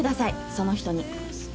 その人に。